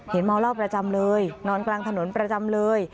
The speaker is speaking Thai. เมาเหล้าประจำเลยนอนกลางถนนประจำเลย